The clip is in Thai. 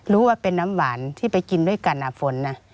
ว่าเป็นน้ำหวานที่ไปกินด้วยกันฝนนะ